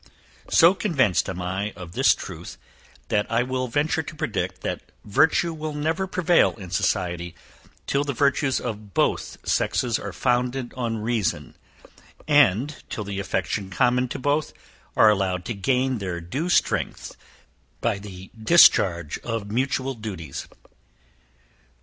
So convinced am I of this truth, that I will venture to predict, that virtue will never prevail in society till the virtues of both sexes are founded on reason; and, till the affection common to both are allowed to gain their due strength by the discharge of mutual duties.